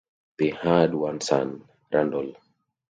They had one son, Randall.